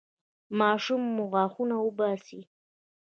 ماشوم مو غاښونه وباسي؟